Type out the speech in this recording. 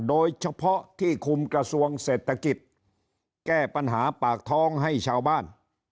โดยเฉพาะที่คุมกระทรวงเศรษฐกิจแก้ปัญหาปากท้องให้ชาวบ้าน